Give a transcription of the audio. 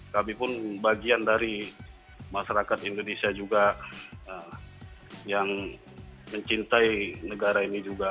kami pun bagian dari masyarakat indonesia juga yang mencintai negara ini juga